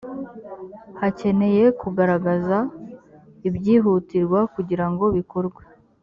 hakeneye kugaragaza ibyihutirwa kugira ngo bikorwe